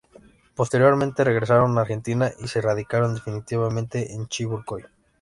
Posteriormente regresaron a Argentina y se radicaron definitivamente en Chivilcoy.